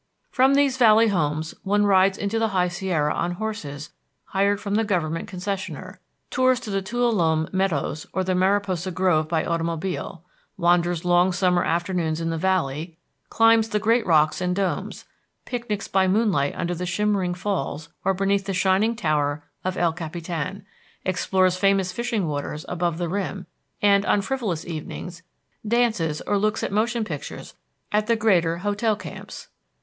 From these Valley homes one rides into the High Sierra on horses hired from the government concessioner, tours to the Tuolumne Meadows or the Mariposa Grove by automobile, wanders long summer afternoons in the Valley, climbs the great rocks and domes, picnics by moonlight under the shimmering falls or beneath the shining tower of El Capitan, explores famous fishing waters above the rim, and, on frivolous evenings, dances or looks at motion pictures at the greater hotel camps.